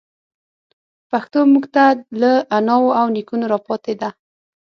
پښتو موږ ته له اناوو او نيکونو راپاتي ده.